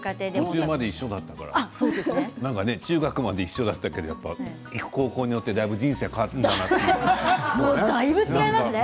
途中まで一緒だったから中学まで一緒だったけど高校でだいぶ人生が変わるんだなという感じですね。